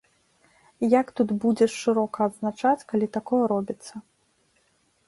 Як тут будзеш шырока адзначаць, калі такое робіцца?